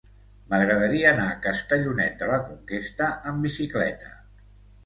M'agradaria anar a Castellonet de la Conquesta amb bicicleta.